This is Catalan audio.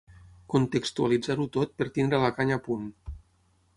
Contextualitzar-ho tot per tenir la canya a punt.